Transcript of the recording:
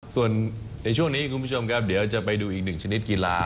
ส่วนในช่วงนี้คุณผู้ชมครับเดี๋ยวจะไปดูอีกหนึ่งชนิดกีฬา